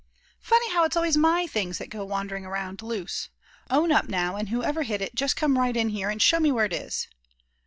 Funny how it's always my things that go wandering around loose. Own up now; and whoever hid it just come right in here, and show me where it is!"